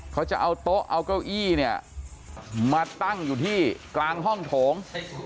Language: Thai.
เขาจะเอาโต๊ะเอาเก้าอี้เนี่ยมาตั้งอยู่ที่กลางห้องโถง